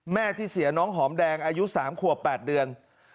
แม่ที่เสียน้องหอมแดงอายุ๓ขวบ๘เดือน